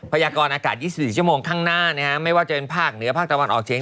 ยากรอากาศ๒๔ชั่วโมงข้างหน้าไม่ว่าจะเป็นภาคเหนือภาคตะวันออกเฉียง